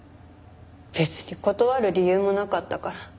別に断る理由もなかったから。